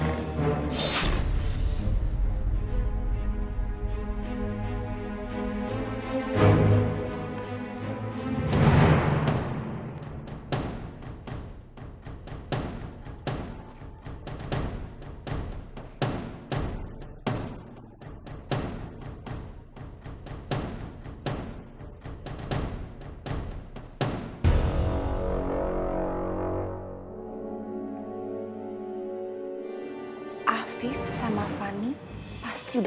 aku yakin hubungan mereka berdua akan hancur